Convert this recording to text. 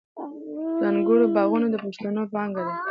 د انګورو باغونه د پښتنو پانګه ده.